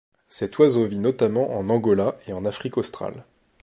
Cet oiseau vit notamment en Angola et en Afrique australe.